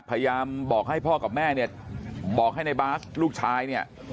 พยายามบอกให้พ่อกับแม่เนี่ยบอกให้ในบาสลูกชายเนี่ย